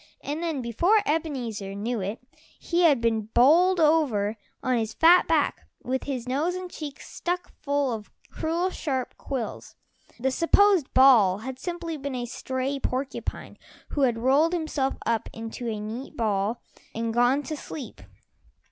And then before Ebenezer knew it, he had been bowled over on his fat back, with his nose and cheeks stuck full of cruel sharp quills. The supposed ball had simply been a stray porcupine who had rolled himself up into a neat ball and gone to sleep.